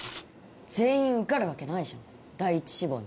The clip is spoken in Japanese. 全員受かるわけないじゃん第一志望に。